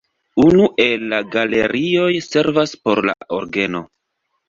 Unu el la galerioj servas por la orgeno.